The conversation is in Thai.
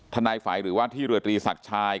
นายฝัยหรือว่าที่เรือตรีศักดิ์ชาย